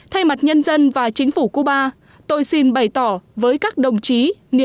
thay mặt nhân dân và chính phủ cuba tôi xin bày tỏ với các đồng chí